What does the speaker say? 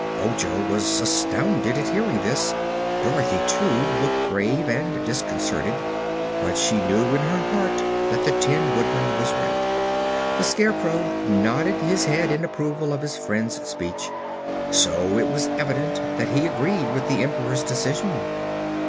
Ojo was astounded at hearing this. Dorothy, too, looked grave and disconcerted, but she knew in her heart that the Tin Woodman was right. The Scarecrow nodded his head in approval of his friend's speech, so it was evident that he agreed with the Emperor's decision.